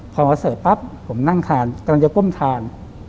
พอมาเสิร์ฟปั๊บผมนั่งทานกำลังจะก้มทาน